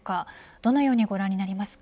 どのようにご覧になりますか。